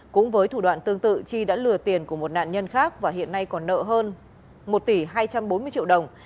cũng với thủ đoạn tương tự chi đã lừa tiền của một nạn nhân khác và hiện nay còn nợ hơn một tỷ hai trăm bốn mươi triệu đồng